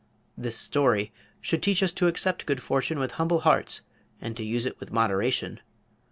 This story should teach us to accept good fortune with humble hearts and to use it with moderation.